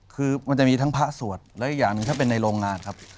คือมันจะมีทั้งพระสวดและอีกอย่างหนึ่งถ้าเป็นในโรงงานครับ